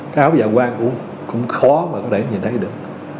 cái áo giả quang cũng khó để nhìn thấy được